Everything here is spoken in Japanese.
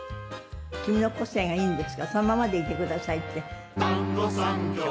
君の個性がいいんですからそのままで、いてくださいって。